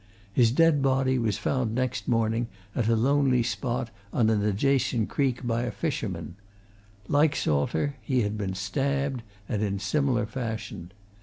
His dead body was found next morning at a lonely spot on an adjacent creek, by a fisherman like Salter, he had been stabbed, and in similar fashion.